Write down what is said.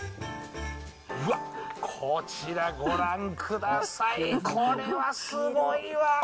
うわ、こちらご覧ください、これはすごいわ。